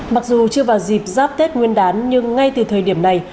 mặc dù chưa vào dịp giáp tết nguyên đán nhưng ngay từ thời điểm này